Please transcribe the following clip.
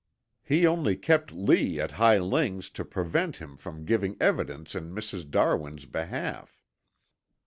He only kept Lee at Hi Ling's to prevent him from giving evidence in Mrs. Darwin's behalf.